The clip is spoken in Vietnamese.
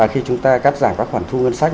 khi chúng ta cắt giảm các khoản thu ngân sách